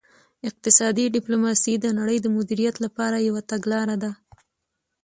اقتصادي ډیپلوماسي د نړۍ د مدیریت لپاره یوه تګلاره ده